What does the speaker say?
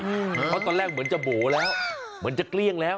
เพราะตอนแรกเหมือนจะโบ๋แล้วเหมือนจะเกลี้ยงแล้ว